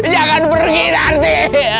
jangan pergi narti